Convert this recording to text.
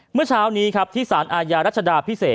เมื่อเช้านี้ครับที่สารอาญารัชดาพิเศษ